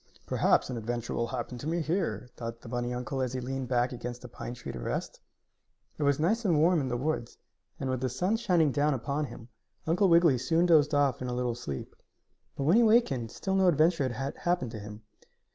"Perhaps an adventure will happen to me here," thought the bunny uncle as he leaned back against a pine tree to rest. It was nice and warm in the woods, and, with the sun shining down upon him, Uncle Wiggily soon dozed off in a little sleep. But when he awakened still no adventure had happened to him.